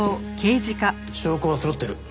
証拠はそろってる。